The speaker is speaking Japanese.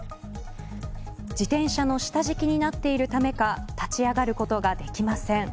自転車の下敷きになっているためか立ち上がることができません。